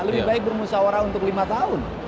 lebih baik bermusawarah untuk lima tahun